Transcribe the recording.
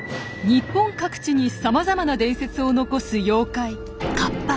日本各地にさまざまな伝説を残す妖怪カッパ。